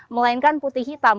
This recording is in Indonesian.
melainkan putih hitam